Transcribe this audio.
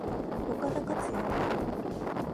岡田克也は？